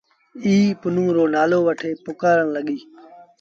ائيٚݩ پنهون رو نآلو وٺي پُڪآرڻ لڳيٚ۔